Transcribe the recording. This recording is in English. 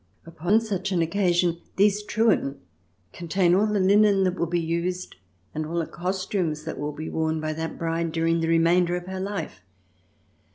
Upon such an occasion these Truhen con tain all the Hnen that will be used and all the costumes that will be worn by that bride during the remainder of her life.